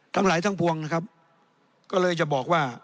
ทั้งหลายทั้งพวงนะครับก็เลยจะบอกว่า